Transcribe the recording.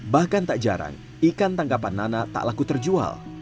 bahkan tak jarang ikan tanggapan nana tak laku terjual